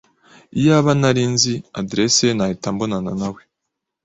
Iyaba nari nzi adresse ye, nahita mbonana nawe.